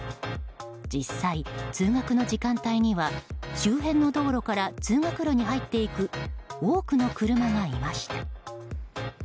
実際、通学の時間帯には周辺の道路から通学路に入っていく多くの車がいました。